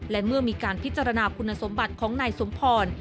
และเมื่อมีการพิจารณาคุณสมบัติของนายสมพร